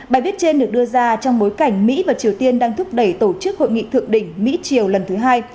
bài viết trên được đưa ra trong bối cảnh mỹ và triều tiên đang thúc đẩy tổ chức hội nghị thượng đỉnh mỹ triều lần thứ hai